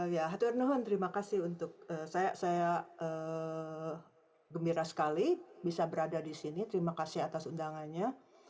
ya hati ernohan terima kasih untuk saya gembira sekali bisa berada di sini terima kasih atas undangannya